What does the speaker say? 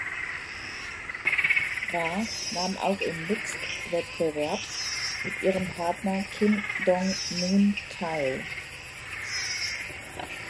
Ra nahm auch im Mixed-Wettbewerb mit ihrem Partner Kim Dong-moon teil.